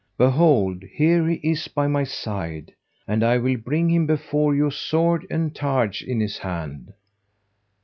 Behold, here he is by my side, and I will bring him before you sword and targe in hand."